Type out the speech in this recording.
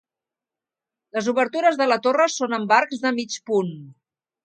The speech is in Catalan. Les obertures de la torre són amb arcs de mig punt.